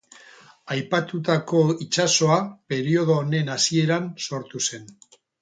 Aipatutako itsasoa periodo honen hasieran sortu zen.